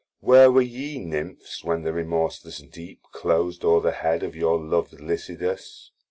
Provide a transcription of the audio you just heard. Where were ye Nymphs when the remorseless deep Clos'd o're the head of your lov'd Lycidas?